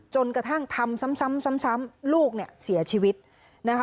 จนกระทั่งทำซ้ำซ้ำลูกเนี่ยเสียชีวิตนะคะ